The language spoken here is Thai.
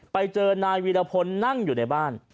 ไปเจอนายวีรพลนั่งอยู่ในบ้าน